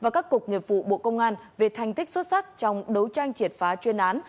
và các cục nghiệp vụ bộ công an về thành tích xuất sắc trong đấu tranh triệt phá chuyên án